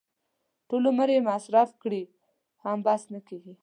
ټول عمر یې مصرف کړي هم بس نه کېږي.